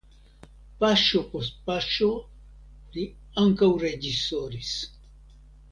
Paŝo post paŝo li ankaŭ reĝisoris.